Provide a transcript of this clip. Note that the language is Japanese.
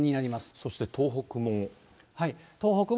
そして東北も。